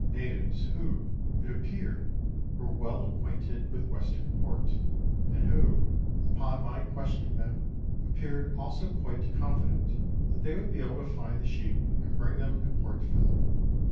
natives who, it appeared, were well acquainted with Western Port, and who, upon my questioning them, appeared also quite confident that they would be able to find the sheep, and bring them to Port Phillip.